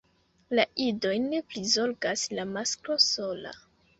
La idojn prizorgas la masklo sola.